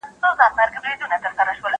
له نه مړو ملک، سو ميرو.